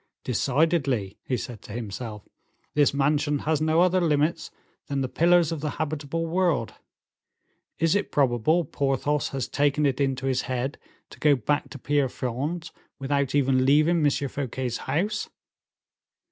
"Decidedly," he said to himself, "this mansion has no other limits than the pillars of the habitable world. Is it probable Porthos has taken it into his head to go back to Pierrefonds without even leaving M. Fouquet's house?"